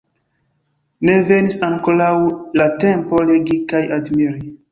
Ne venis ankoraŭ la tempo legi kaj admiri.